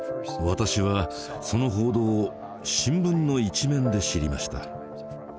私はその報道を新聞の一面で知りました。